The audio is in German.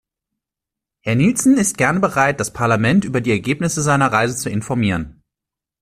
Herr Nielson ist gern bereit, das Parlament über die Ergebnisse seiner Reise zu informieren.